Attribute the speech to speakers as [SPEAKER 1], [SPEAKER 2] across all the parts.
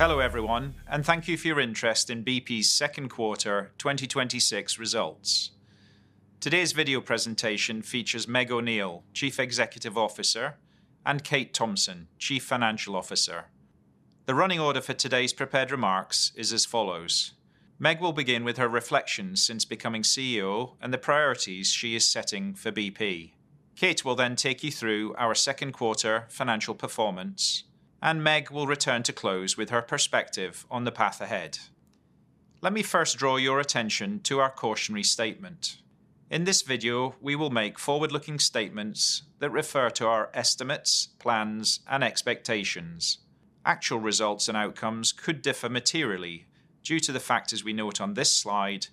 [SPEAKER 1] Hello, everyone. Thank you for your interest in bp's second quarter 2026 results. Today's video presentation features Meg O'Neill, Chief Executive Officer, and Kate Thomson, Chief Financial Officer. The running order for today's prepared remarks is as follows: Meg will begin with her reflections since becoming CEO and the priorities she is setting for bp. Kate will then take you through our second quarter financial performance. Meg will return to close with her perspective on the path ahead. Let me first draw your attention to our cautionary statement. In this video, we will make forward-looking statements that refer to our estimates, plans, and expectations. Actual results and outcomes could differ materially due to the factors we note on this slide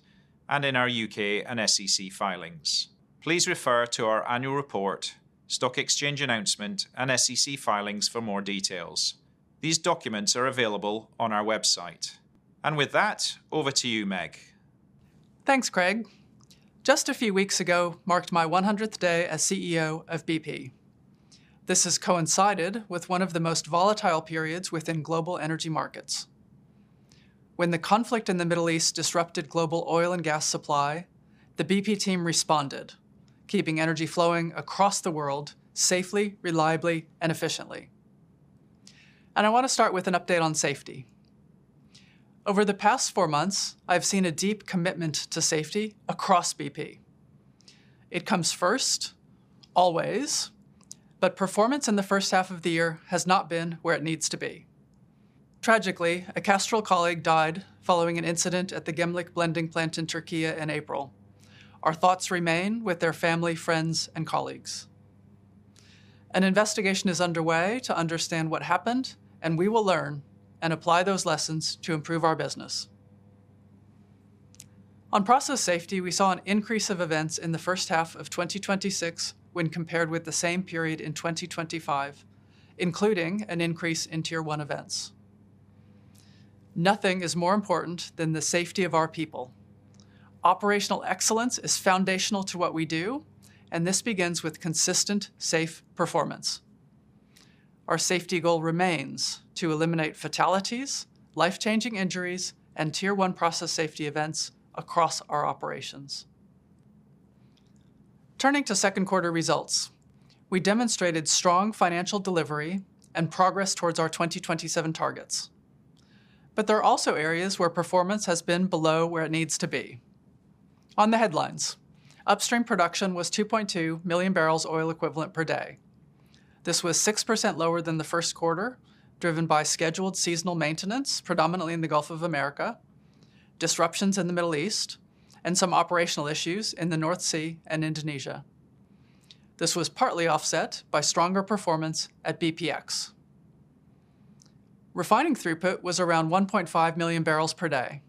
[SPEAKER 1] and in our U.K. and SEC filings. Please refer to our annual report, stock exchange announcement, and SEC filings for more details. These documents are available on our website. With that, over to you, Meg.
[SPEAKER 2] Thanks, Craig. Just a few weeks ago marked my 100th day as CEO of bp. This has coincided with one of the most volatile periods within global energy markets. When the conflict in the Middle East disrupted global oil and gas supply, the bp team responded, keeping energy flowing across the world safely, reliably, and efficiently. I want to start with an update on safety. Over the past four months, I've seen a deep commitment to safety across bp. It comes first, always. Performance in the first half of the year has not been where it needs to be. Tragically, a Castrol colleague died following an incident at the Gemlik blending plant in Türkiye in April. Our thoughts remain with their family, friends, and colleagues. An investigation is underway to understand what happened. We will learn and apply those lessons to improve our business. On process safety, we saw an increase of events in the first half of 2026 when compared with the same period in 2025, including an increase in Tier 1 events. Nothing is more important than the safety of our people. Operational excellence is foundational to what we do. This begins with consistent, safe performance. Our safety goal remains to eliminate fatalities, life-changing injuries, and Tier 1 process safety events across our operations. Turning to second quarter results, we demonstrated strong financial delivery and progress towards our 2027 targets. There are also areas where performance has been below where it needs to be. On the headlines, upstream production was 2.2 million barrels oil equivalent per day. This was 6% lower than the first quarter, driven by scheduled seasonal maintenance, predominantly in the U.S. Gulf of Mexico, disruptions in the Middle East, and some operational issues in the North Sea and Indonesia. This was partly offset by stronger performance at bpx. Refining throughput was around 1.5 million barrels per day.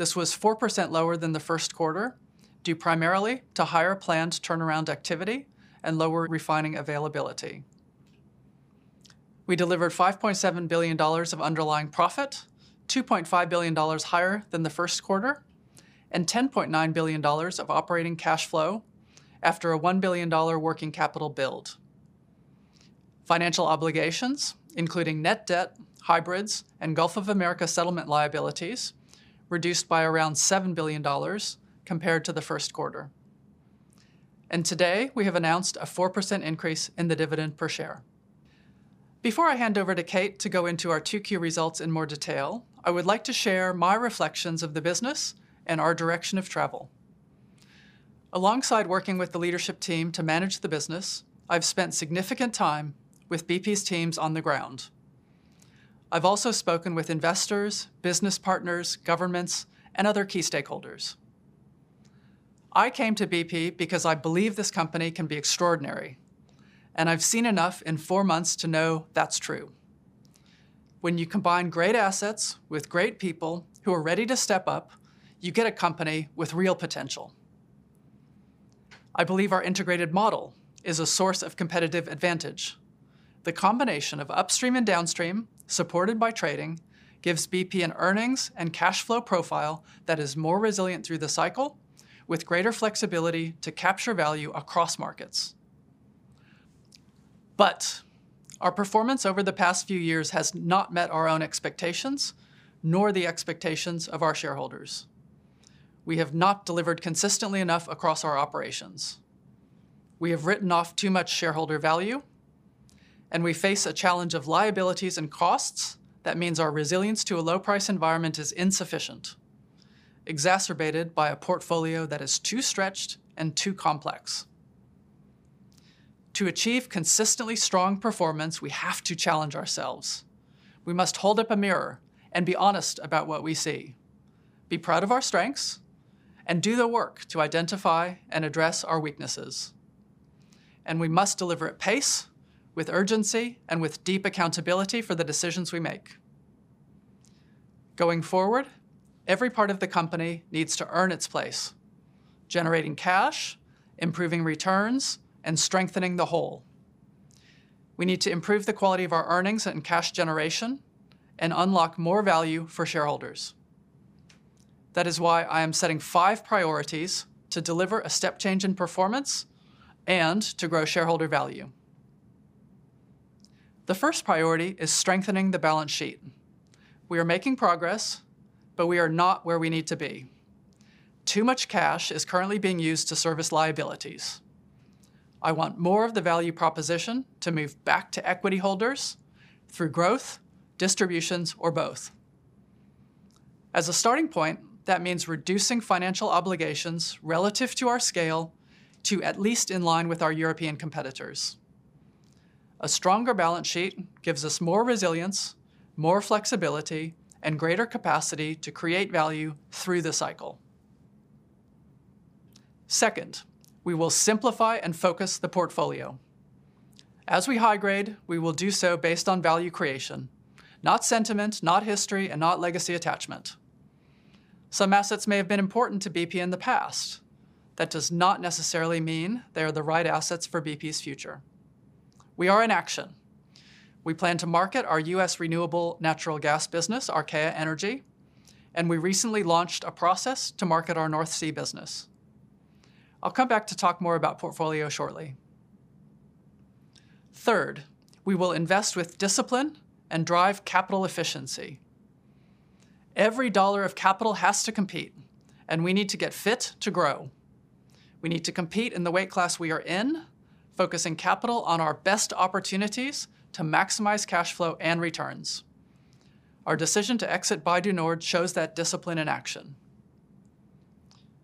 [SPEAKER 2] This was 4% lower than the first quarter, due primarily to higher planned turnaround activity and lower refining availability. We delivered $5.7 billion of underlying profit, $2.5 billion higher than the first quarter, and $10.9 billion of operating cash flow after a $1 billion working capital build. Financial obligations, including net debt, hybrids, and U.S. Gulf of Mexico settlement liabilities, reduced by around $7 billion compared to the first quarter. Today, we have announced a 4% increase in the dividend per share. Before I hand over to Kate to go into our 2Q results in more detail, I would like to share my reflections of the business and our direction of travel. Alongside working with the leadership team to manage the business, I've spent significant time with bp's teams on the ground. I've also spoken with investors, business partners, governments, and other key stakeholders. I came to bp because I believe this company can be extraordinary, and I've seen enough in four months to know that's true. When you combine great assets with great people who are ready to step up, you get a company with real potential. I believe our integrated model is a source of competitive advantage. The combination of upstream and downstream, supported by trading, gives bp an earnings and cash flow profile that is more resilient through the cycle, with greater flexibility to capture value across markets. Our performance over the past few years has not met our own expectations, nor the expectations of our shareholders. We have not delivered consistently enough across our operations. We have written off too much shareholder value, and we face a challenge of liabilities and costs that means our resilience to a low price environment is insufficient, exacerbated by a portfolio that is too stretched and too complex. To achieve consistently strong performance, we have to challenge ourselves. We must hold up a mirror and be honest about what we see, be proud of our strengths, and do the work to identify and address our weaknesses. We must deliver at pace, with urgency, and with deep accountability for the decisions we make. Going forward, every part of the company needs to earn its place, generating cash, improving returns, and strengthening the whole. We need to improve the quality of our earnings and cash generation and unlock more value for shareholders That is why I am setting five priorities to deliver a step change in performance and to grow shareholder value. The first priority is strengthening the balance sheet. We are making progress, but we are not where we need to be. Too much cash is currently being used to service liabilities. I want more of the value proposition to move back to equity holders through growth, distributions, or both. As a starting point, that means reducing financial obligations relative to our scale to at least in line with our European competitors. A stronger balance sheet gives us more resilience, more flexibility, and greater capacity to create value through the cycle. Second, we will simplify and focus the portfolio. As we high grade, we will do so based on value creation, not sentiment, not history, and not legacy attachment. Some assets may have been important to bp in the past. That does not necessarily mean they are the right assets for bp's future. We are in action. We plan to market our U.S. renewable natural gas business, Archaea Energy, and we recently launched a process to market our North Sea business. I'll come back to talk more about portfolio shortly. Third, we will invest with discipline and drive capital efficiency. Every dollar of capital has to compete, and we need to get fit to grow. We need to compete in the weight class we are in, focusing capital on our best opportunities to maximize cash flow and returns. Our decision to exit Bay du Nord shows that discipline in action.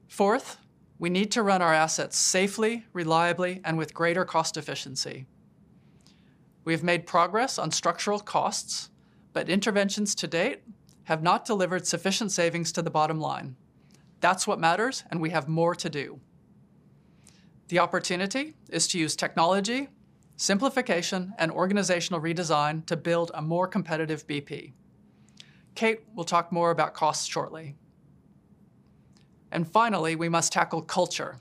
[SPEAKER 2] Fourth, we need to run our assets safely, reliably, and with greater cost efficiency. We have made progress on structural costs, but interventions to date have not delivered sufficient savings to the bottom line. That's what matters, and we have more to do. The opportunity is to use technology, simplification, and organizational redesign to build a more competitive bp. Kate will talk more about costs shortly. Finally, we must tackle culture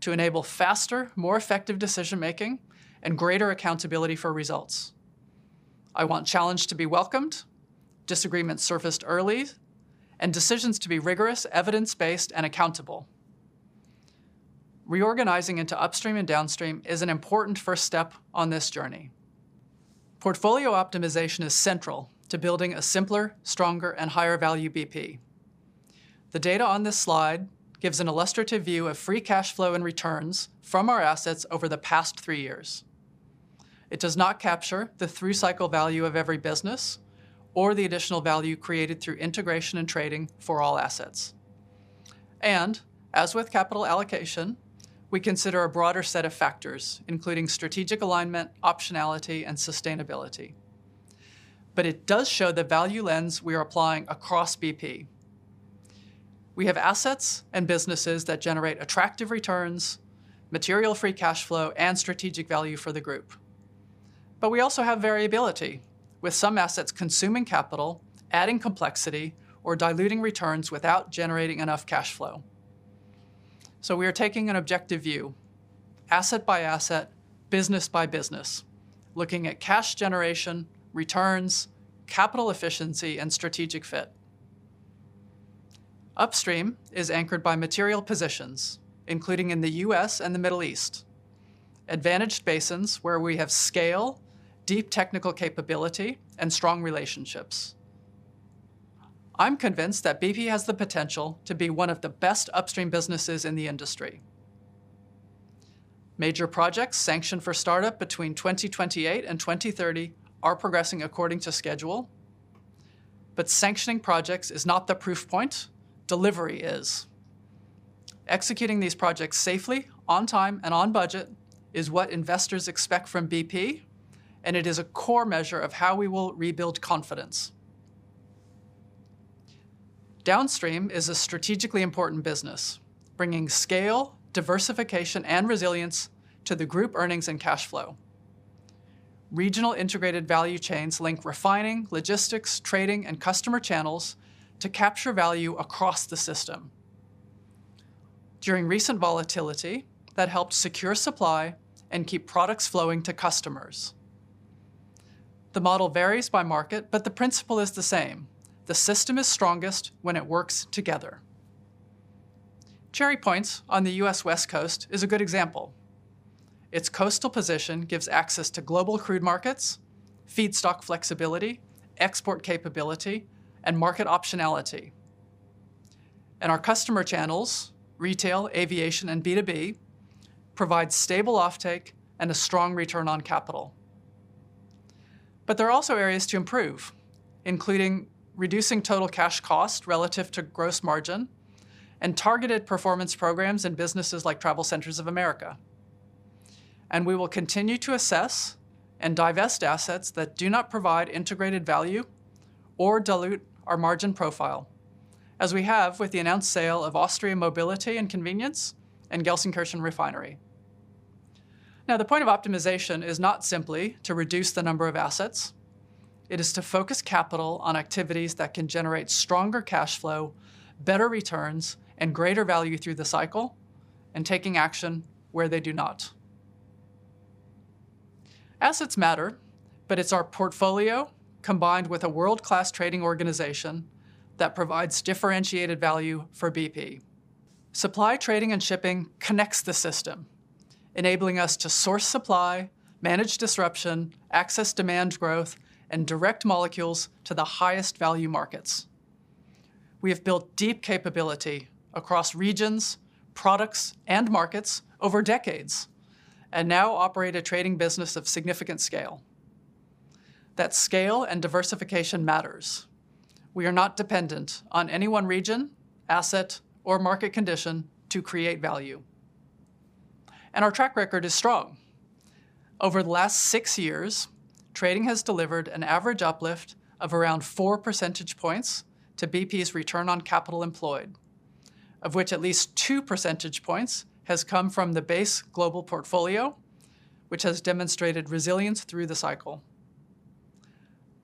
[SPEAKER 2] to enable faster, more effective decision-making and greater accountability for results. I want challenge to be welcomed, disagreements surfaced early, and decisions to be rigorous, evidence-based, and accountable. Reorganizing into upstream and downstream is an important first step on this journey. Portfolio optimization is central to building a simpler, stronger, and higher value bp. The data on this slide gives an illustrative view of free cash flow and returns from our assets over the past three years. It does not capture the through-cycle value of every business or the additional value created through integration and trading for all assets. As with capital allocation, we consider a broader set of factors, including strategic alignment, optionality, and sustainability. It does show the value lens we are applying across bp. We have assets and businesses that generate attractive returns, material free cash flow, and strategic value for the group. We also have variability, with some assets consuming capital, adding complexity, or diluting returns without generating enough cash flow. We are taking an objective view, asset by asset, business by business, looking at cash generation, returns, capital efficiency, and strategic fit. Upstream is anchored by material positions, including in the U.S. and the Middle East, advantaged basins where we have scale, deep technical capability, and strong relationships. I'm convinced that bp has the potential to be one of the best upstream businesses in the industry. Major projects sanctioned for startup between 2028 and 2030 are progressing according to schedule. Sanctioning projects is not the proof point, delivery is. Executing these projects safely, on time, and on budget is what investors expect from bp, and it is a core measure of how we will rebuild confidence. Downstream is a strategically important business, bringing scale, diversification, and resilience to the group earnings and cash flow. Regional integrated value chains link refining, logistics, trading, and customer channels to capture value across the system. During recent volatility, that helped secure supply and keep products flowing to customers. The model varies by market, but the principle is the same. The system is strongest when it works together. Cherry Point on the U.S. West Coast is a good example. Its coastal position gives access to global crude markets, feedstock flexibility, export capability, and market optionality. Our customer channels, retail, aviation, and B2B, provide stable offtake and a strong return on capital. There are also areas to improve, including reducing total cash cost relative to gross margin and targeted performance programs in businesses like TravelCenters of America. We will continue to assess and divest assets that do not provide integrated value or dilute our margin profile, as we have with the announced sale of Austrian mobility and convenience and Gelsenkirchen refinery. The point of optimization is not simply to reduce the number of assets. It is to focus capital on activities that can generate stronger cash flow, better returns, and greater value through the cycle and taking action where they do not. Assets matter, but it's our portfolio, combined with a world-class trading organization, that provides differentiated value for bp. Supply, trading & shipping connects the system, enabling us to source supply, manage disruption, access demand growth, and direct molecules to the highest value markets. We have built deep capability across regions, products, and markets over decades, and now operate a trading business of significant scale. That scale and diversification matters. We are not dependent on any one region, asset, or market condition to create value. Our track record is strong. Over the last six years, trading has delivered an average uplift of around four percentage points to bp's return on capital employed, of which at least two percentage points has come from the base global portfolio, which has demonstrated resilience through the cycle.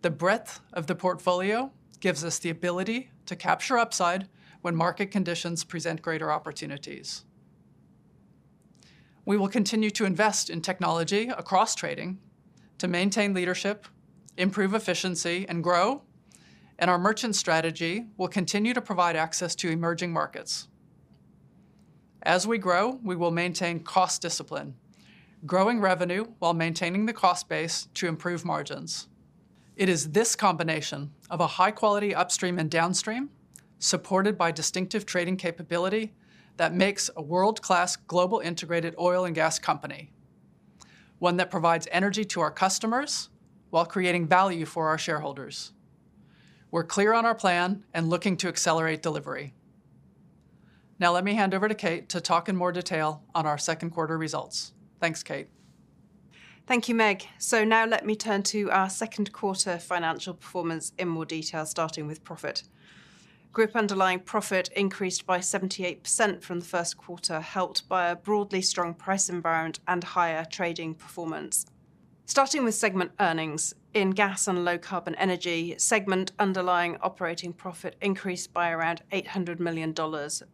[SPEAKER 2] The breadth of the portfolio gives us the ability to capture upside when market conditions present greater opportunities. We will continue to invest in technology across trading to maintain leadership, improve efficiency, and grow, and our merchant strategy will continue to provide access to emerging markets. As we grow, we will maintain cost discipline, growing revenue while maintaining the cost base to improve margins. It is this combination of a high-quality upstream and downstream, supported by distinctive trading capability, that makes a world-class global integrated oil and gas company, one that provides energy to our customers while creating value for our shareholders. We're clear on our plan and looking to accelerate delivery. Let me hand over to Kate to talk in more detail on our second quarter results. Thanks, Kate.
[SPEAKER 3] Thank you, Meg. Now let me turn to our second quarter financial performance in more detail, starting with profit. Group underlying profit increased by 78% from the first quarter, helped by a broadly strong price environment and higher trading performance. Starting with segment earnings, in gas & low carbon energy segment underlying operating profit increased by around $800 million,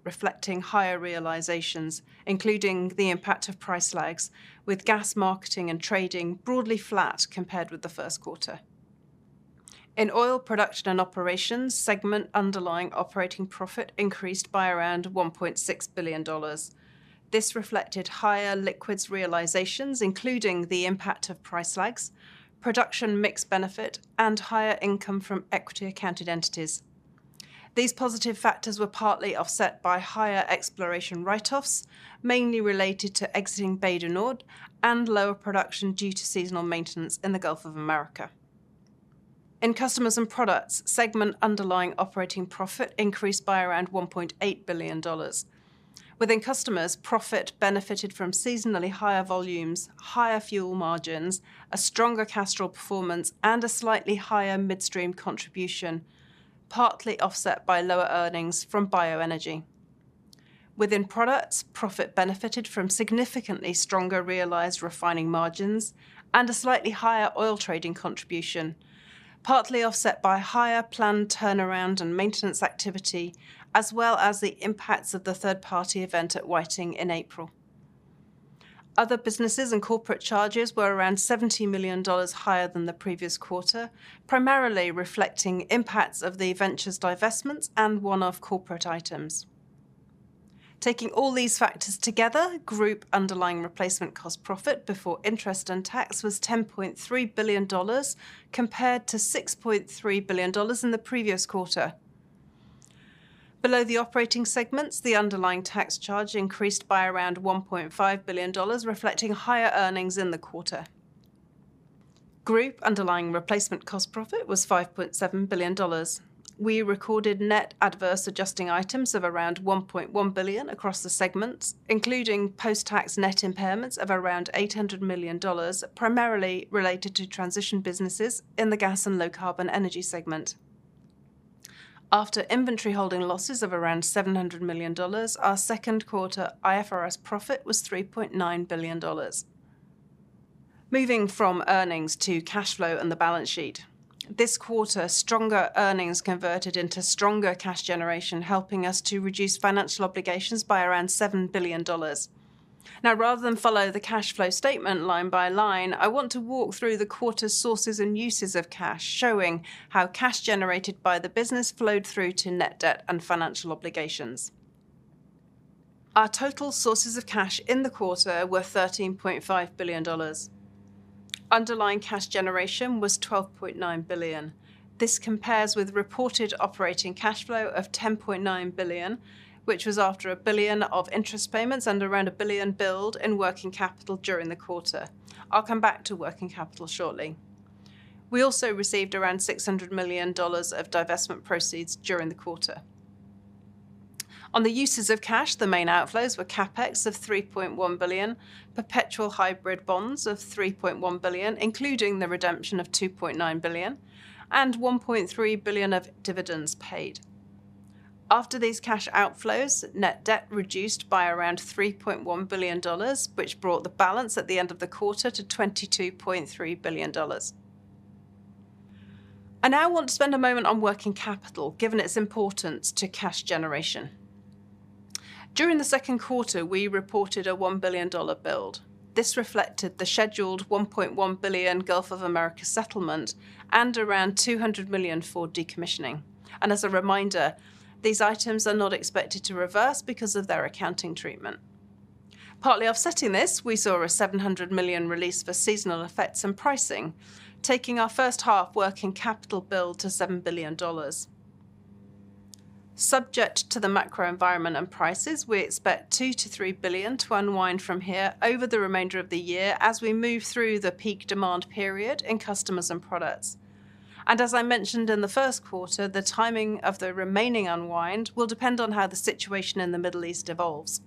[SPEAKER 3] reflecting higher realizations, including the impact of price lags, with gas marketing and trading broadly flat compared with the first quarter. In oil production & operations, segment underlying operating profit increased by around $1.6 billion. This reflected higher liquids realizations, including the impact of price lags, production mix benefit, and higher income from equity accounted entities. These positive factors were partly offset by higher exploration write-offs, mainly related to exiting Bay du Nord, and lower production due to seasonal maintenance in the Gulf of Mexico. In customers & products, segment underlying operating profit increased by around $1.8 billion. Within customers, profit benefited from seasonally higher volumes, higher fuel margins, a stronger Castrol performance, and a slightly higher midstream contribution, partly offset by lower earnings from bioenergy. Within products, profit benefited from significantly stronger realized refining margins and a slightly higher oil trading contribution, partly offset by higher planned turnaround and maintenance activity, as well as the impacts of the third-party event at Whiting in April. Other businesses and corporate charges were around $70 million higher than the previous quarter, primarily reflecting impacts of the Ventures divestments and one-off corporate items. Taking all these factors together, group underlying replacement cost profit before interest and tax was $10.3 billion, compared to $6.3 billion in the previous quarter. Below the operating segments, the underlying tax charge increased by around $1.5 billion, reflecting higher earnings in the quarter. Group underlying replacement cost profit was $5.7 billion. We recorded net adverse adjusting items of around $1.1 billion across the segments, including post-tax net impairments of around $800 million, primarily related to transition businesses in the gas & low carbon energy segment. After inventory holding losses of around $700 million, our second quarter IFRS profit was $3.9 billion. Moving from earnings to cash flow and the balance sheet. This quarter, stronger earnings converted into stronger cash generation, helping us to reduce financial obligations by around $7 billion. Now, rather than follow the cash flow statement line by line, I want to walk through the quarter's sources and uses of cash, showing how cash generated by the business flowed through to net debt and financial obligations. Our total sources of cash in the quarter were $13.5 billion. Underlying cash generation was $12.9 billion. This compares with reported operating cash flow of $10.9 billion, which was after $1 billion of interest payments and around $1 billion build in working capital during the quarter. I'll come back to working capital shortly. We also received around $600 million of divestment proceeds during the quarter. On the uses of cash, the main outflows were CapEx of $3.1 billion, perpetual hybrid bonds of $3.1 billion, including the redemption of $2.9 billion, and $1.3 billion of dividends paid. After these cash outflows, net debt reduced by around $3.1 billion, which brought the balance at the end of the quarter to $22.3 billion. I now want to spend a moment on working capital, given its importance to cash generation. During the second quarter, we reported a $1 billion build. This reflected the scheduled $1.1 billion Gulf of Mexico settlement and around $200 million for decommissioning. As a reminder, these items are not expected to reverse because of their accounting treatment. Partly offsetting this, we saw a $700 million release for seasonal effects in pricing, taking our first-half working capital build to $7 billion. Subject to the macro environment and prices, we expect $2 billion-$3 billion to unwind from here over the remainder of the year as we move through the peak demand period in customers & products. As I mentioned in the first quarter, the timing of the remaining unwind will depend on how the situation in the Middle East evolves.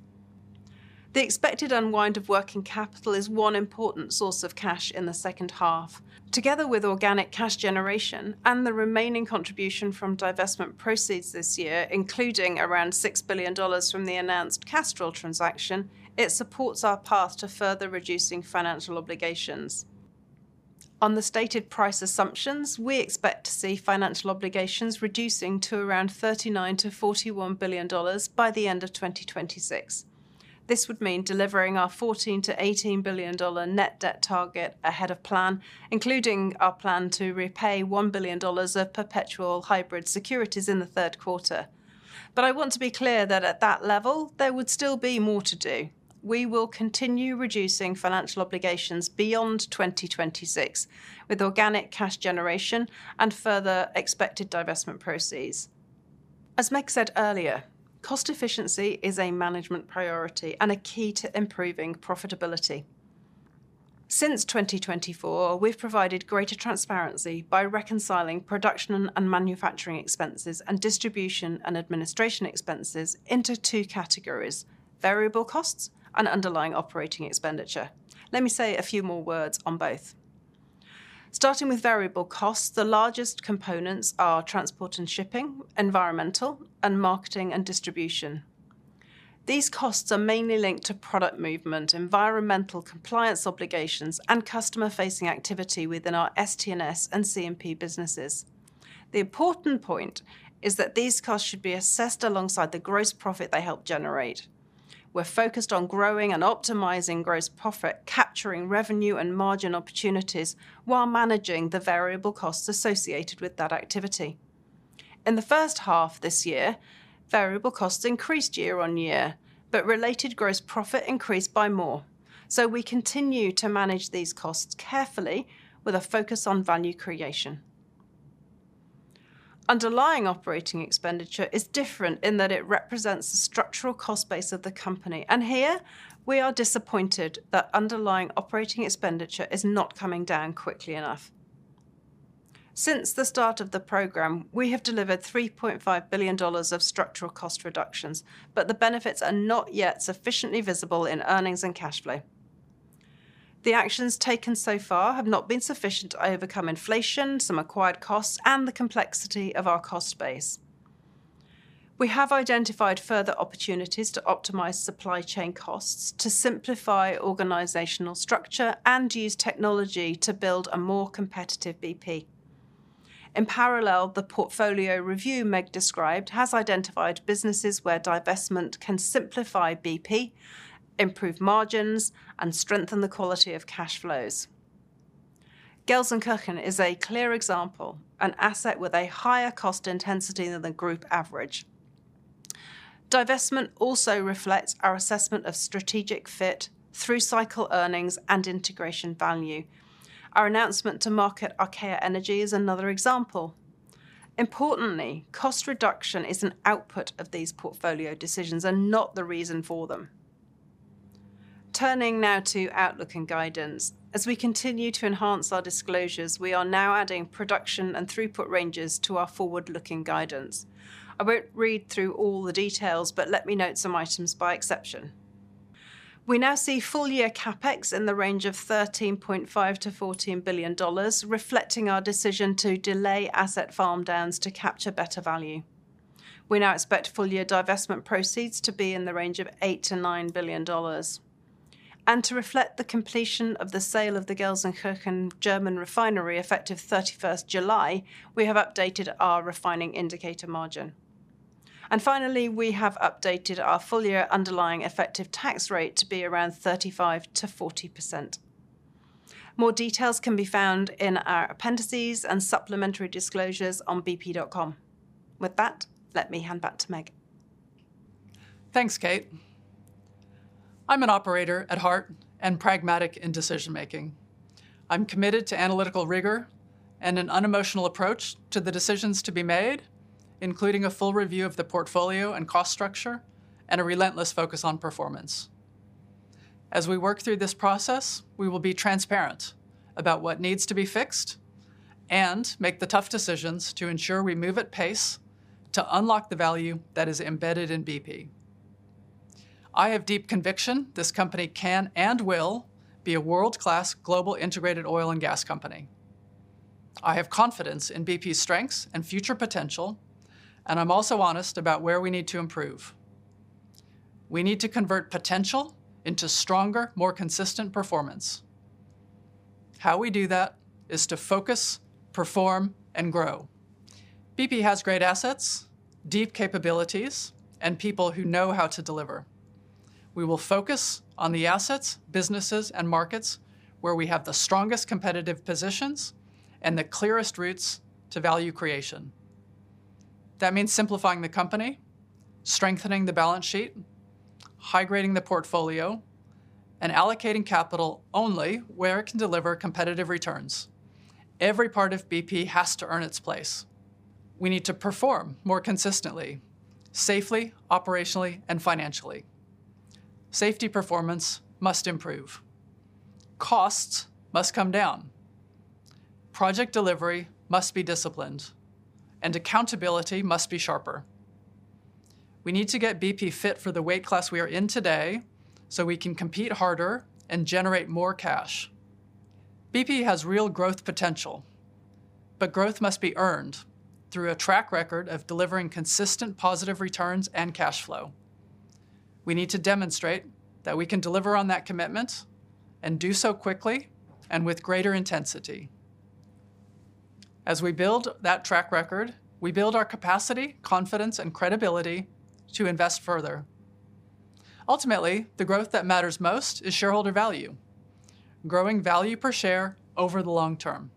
[SPEAKER 3] The expected unwind of working capital is one important source of cash in the second half. Together with organic cash generation and the remaining contribution from divestment proceeds this year, including around $6 billion from the announced Castrol transaction, it supports our path to further reducing financial obligations. On the stated price assumptions, we expect to see financial obligations reducing to around $39 billion-$41 billion by the end of 2026. This would mean delivering our $14 billion-$18 billion net debt target ahead of plan, including our plan to repay $1 billion of perpetual hybrid securities in the third quarter. I want to be clear that at that level, there would still be more to do. We will continue reducing financial obligations beyond 2026 with organic cash generation and further expected divestment proceeds. As Meg said earlier, cost efficiency is a management priority and a key to improving profitability. Since 2024, we've provided greater transparency by reconciling production and manufacturing expenses and distribution and administration expenses into two categories: variable costs and underlying operating expenditure. Let me say a few more words on both. Starting with variable costs, the largest components are transport and shipping, environmental, and marketing and distribution. These costs are mainly linked to product movement, environmental compliance obligations, and customer-facing activity within our ST&S and C&P businesses. The important point is that these costs should be assessed alongside the gross profit they help generate. We're focused on growing and optimizing gross profit, capturing revenue and margin opportunities while managing the variable costs associated with that activity. In the first half of this year, variable costs increased year-over-year, but related gross profit increased by more. We continue to manage these costs carefully with a focus on value creation. Underlying operating expenditure is different in that it represents the structural cost base of the company. Here, we are disappointed that underlying operating expenditure is not coming down quickly enough. Since the start of the program, we have delivered $3.5 billion of structural cost reductions, the benefits are not yet sufficiently visible in earnings and cash flow. The actions taken so far have not been sufficient to overcome inflation, some acquired costs, and the complexity of our cost base. We have identified further opportunities to optimize supply chain costs, to simplify organizational structure, and use technology to build a more competitive bp. In parallel, the portfolio review Meg described has identified businesses where divestment can simplify bp, improve margins, and strengthen the quality of cash flows. Gelsenkirchen is a clear example, an asset with a higher cost intensity than the group average. Divestment also reflects our assessment of strategic fit through cycle earnings and integration value. Our announcement to market Archaea Energy is another example. Importantly, cost reduction is an output of these portfolio decisions and not the reason for them. Turning now to outlook and guidance. As we continue to enhance our disclosures, we are now adding production and throughput ranges to our forward-looking guidance. I won't read through all the details, but let me note some items by exception. We now see full-year CapEx in the range of $13.5 billion-$14 billion, reflecting our decision to delay asset farm-downs to capture better value. We now expect full-year divestment proceeds to be in the range of $8 billion-$9 billion. To reflect the completion of the sale of the Gelsenkirchen German refinery effective July 31st, we have updated our refining indicator margin. Finally, we have updated our full-year underlying effective tax rate to be around 35%-40%. More details can be found in our appendices and supplementary disclosures on bp.com. With that, let me hand back to Meg.
[SPEAKER 2] Thanks, Kate. I'm an operator at heart and pragmatic in decision-making. I'm committed to analytical rigor and an unemotional approach to the decisions to be made, including a full review of the portfolio and cost structure and a relentless focus on performance. As we work through this process, we will be transparent about what needs to be fixed and make the tough decisions to ensure we move at pace to unlock the value that is embedded in bp. I have deep conviction this company can and will be a world-class global integrated oil and gas company. I have confidence in bp's strengths and future potential, and I'm also honest about where we need to improve. We need to convert potential into stronger, more consistent performance. How we do that is to focus, perform, and grow. bp has great assets, deep capabilities, and people who know how to deliver. We will focus on the assets, businesses, and markets where we have the strongest competitive positions and the clearest routes to value creation. That means simplifying the company, strengthening the balance sheet, high-grading the portfolio, and allocating capital only where it can deliver competitive returns. Every part of bp has to earn its place. We need to perform more consistently, safely, operationally, and financially. Safety performance must improve, costs must come down, project delivery must be disciplined, and accountability must be sharper. We need to get bp fit for the weight class we are in today so we can compete harder and generate more cash. bp has real growth potential, but growth must be earned through a track record of delivering consistent positive returns and cash flow. We need to demonstrate that we can deliver on that commitment and do so quickly and with greater intensity. As we build that track record, we build our capacity, confidence, and credibility to invest further. Ultimately, the growth that matters most is shareholder value, growing value per share over the long term.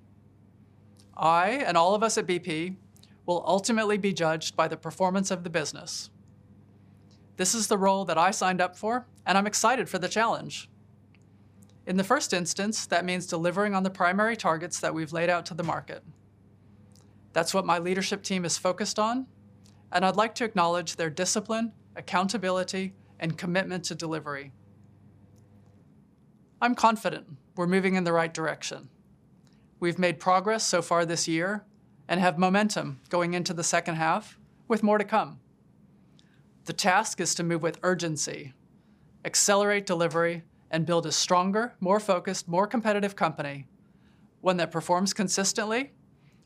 [SPEAKER 2] I and all of us at bp will ultimately be judged by the performance of the business. This is the role that I signed up for, and I'm excited for the challenge. In the first instance, that means delivering on the primary targets that we've laid out to the market. That's what my leadership team is focused on, and I'd like to acknowledge their discipline, accountability, and commitment to delivery. I'm confident we're moving in the right direction. We've made progress so far this year and have momentum going into the second half, with more to come. The task is to move with urgency, accelerate delivery, and build a stronger, more focused, more competitive company, one that performs consistently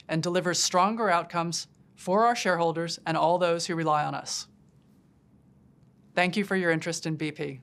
[SPEAKER 2] and delivers stronger outcomes for our shareholders and all those who rely on us. Thank you for your interest in bp.